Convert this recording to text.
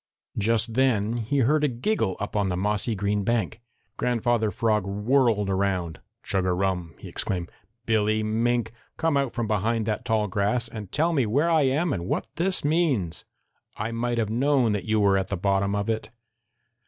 Just then he heard a giggle up on the mossy green bank. Grandfather Frog whirled around. "Chug a rum!" he exclaimed. "Billy Mink, come out from behind that tall grass and tell me where I am and what this means! I might have known that you were at the bottom of it."